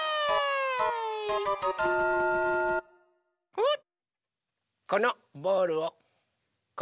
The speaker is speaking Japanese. おっ。